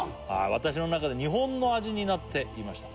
「私の中で日本の味になっていました」